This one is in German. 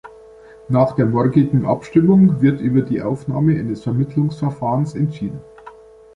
Nach der morgigen Abstimmung wird über die Aufnahme eines Vermittlungsverfahrens entschieden.